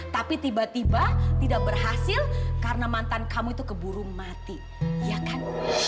tapi tiba tiba tidak berhasil karena mantan kamu itu keburu mati ya kan